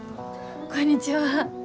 こんにちは。